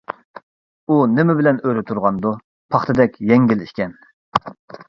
ئۇ نېمە بىلەن ئۆرە تۇرغاندۇ؟ پاختىدەك يەڭگىل ئىكەن.